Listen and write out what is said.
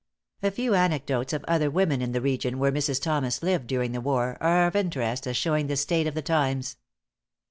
A few anecdotes of other women in the region where Mrs. Thomas lived during the war, are of interest as showing the state of the times.